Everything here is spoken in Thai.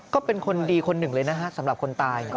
ก็เป็นคนดีคนหนึ่งเลยนะฮะสำหรับคนตาย